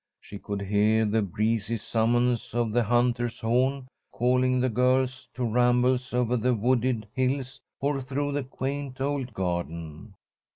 She could hear the breezy summons of the hunter's horn, calling the girls to rambles over the wooded hills or through the quaint old garden.